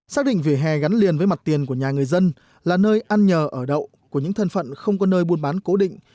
xác định vỉa hè gắn liền với mặt tiền của nhà người dân là nơi ăn nhờ ở đậu của những thân phận không có nơi buôn bán cố định